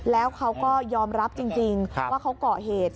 แล้วเขาก็ยอมรับจริงว่าเขาก่อเหตุ